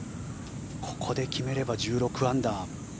ここで決めれば１６アンダー。